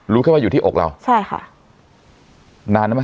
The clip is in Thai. แค่ว่าอยู่ที่อกเราใช่ค่ะนานแล้วไหม